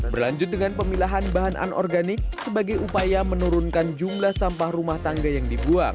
berlanjut dengan pemilahan bahan anorganik sebagai upaya menurunkan jumlah sampah rumah tangga yang dibuang